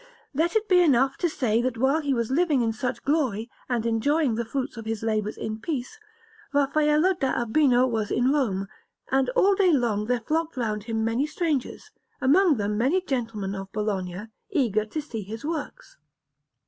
Let it be enough to say that while he was living in such glory and enjoying the fruits of his labours in peace, Raffaello da Urbino was in Rome, and all day long there flocked round him many strangers, among them many gentlemen of Bologna, eager to see his works.